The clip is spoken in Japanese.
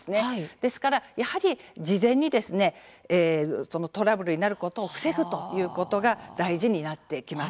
ですから事前にトラブルになることを防ぐということが大事になってきます。